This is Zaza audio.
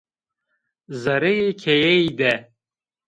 Zereyê keyeyî de